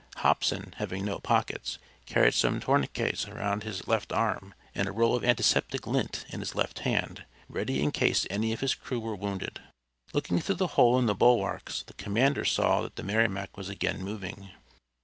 Hobson, having no pockets, carried some tourniquets around his left arm, and a roll of antiseptic lint in his left hand, ready in case any of his crew were wounded. Looking through the hole in the bulwarks the commander saw that the Merrimac was again moving.